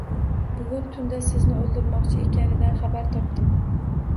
Bugun tunda sizni oʻldirmoqchi ekanidan xabar topdim